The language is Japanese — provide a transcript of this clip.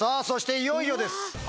そしていよいよです。